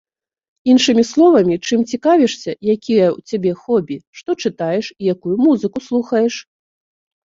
Іншымі словамі чым цікавішся, якія ў цябе хобі, што чытаеш і якую музыку слухаеш?